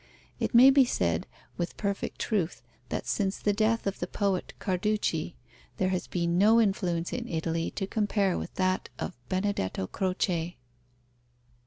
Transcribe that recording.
It may be said with perfect truth that since the death of the poet Carducci there has been no influence in Italy to compare with that of Benedetto Croce.